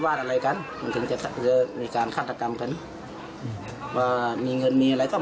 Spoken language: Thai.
บางคนก็ว่าอาจจะไปที่อื่น